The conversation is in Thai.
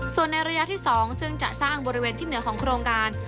ส่วนในระยะที่๒ซึ่งจะสร้างบริเวณที่เหนือของโครงการ